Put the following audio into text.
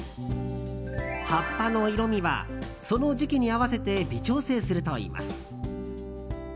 葉っぱの色味はその時期に合わせて微調整するといいます。